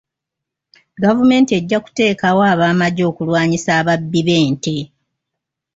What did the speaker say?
Gavumenti ejja kuteekawo ab'amagye okulwanyisa ababbi b'ente.